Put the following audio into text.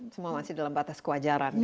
semua masih dalam batas kewajaran